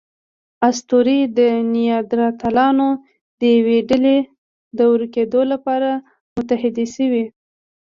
اسطورې د نیاندرتالانو د یوې ډلې د ورکېدو لپاره متحدې شوې.